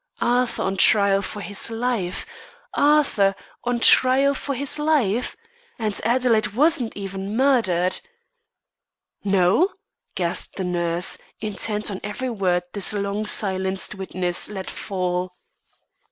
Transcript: "Arthur on trial for his life! Arthur on trial for his life! And Adelaide was not even murdered!" "No?" gasped the nurse, intent on every word this long silenced witness let fall.